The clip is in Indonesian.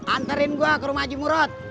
anterin gue ke rumah jimurot